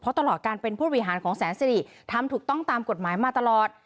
เพราะตลอดการเป็นผู้บริหารของแสนสิริทำถูกต้องตามกฎหมายมาตลอด